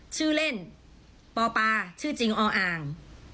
ชื่อเล่นปปชื่อจริงออ่าง